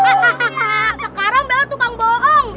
sekarang belakang tukang bohong